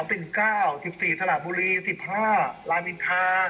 เวลาไปงานแล้วบริธีมันดูสนุก